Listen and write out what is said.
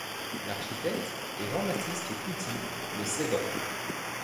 L'architecte est Jean-Baptiste Couty, de Sedan.